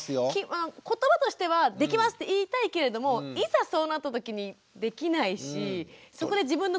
言葉としては「できます」って言いたいけれどもいざそうなったときにできないしそこで自分の首絞めることになるよなって。